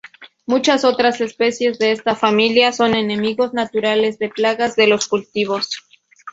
Muchas otras especies de esta familia son enemigos naturales de plagas de los cultivos.